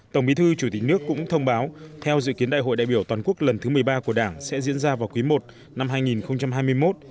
tổng bí thư chủ tịch nước cũng thông báo theo dự kiến đại hội đại biểu toàn quốc lần thứ một mươi ba của đảng sẽ diễn ra vào quý i năm hai nghìn hai mươi một